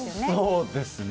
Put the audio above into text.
そうですね。